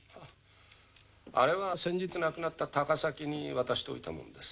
あれは先日亡くなった高崎に渡しといたもんです。